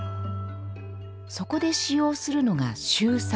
そこで使用するのがシュウ酸。